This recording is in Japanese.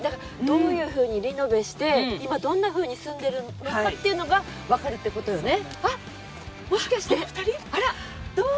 どういうふうにリノベして今どんなふうに住んでるのかが分かるってことよね。